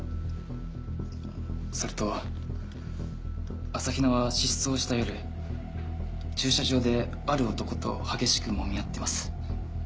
それと朝比奈は失踪した夜駐車場である男と激しくもみ合ってます。